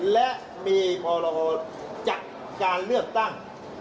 และมีปรโยชน์จากการเลือกตั้ง